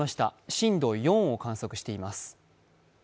震度４を観測しています。